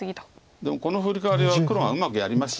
でもこのフリカワリは黒がうまくやりました。